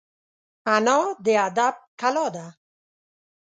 انا د ادب کلا ده